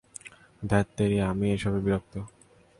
ধ্যাত্তেরি, আমি এসবে বিরক্ত।